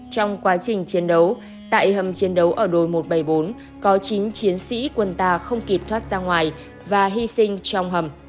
trong quá trình chiến đấu tại hầm chiến đấu ở đội một trăm bảy mươi bốn có chín chiến sĩ quân ta không kịp thoát ra ngoài và hy sinh trong hầm